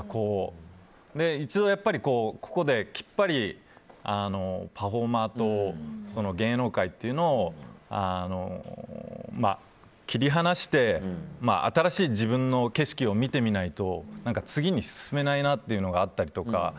一応ここできっぱりパフォーマーと芸能界というのを切り離して新しい自分の景色を見てみないと次に進めないなというのがあったりとか。